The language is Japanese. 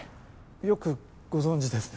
よくご存じですね。